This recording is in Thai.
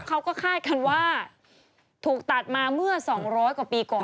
เขาก็คาดกันว่าถูกตัดมาเมื่อ๒๐๐กว่าปีก่อน